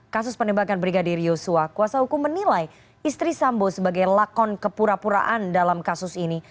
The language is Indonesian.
kasus penembakan brigadir yosua kuasa hukum menilai istri sambo sebagai lakon kepura puraan dalam kasus ini